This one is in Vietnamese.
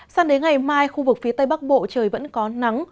sang đến ngày mai khu vực phía tây bắc bộ trời vẫn có nắng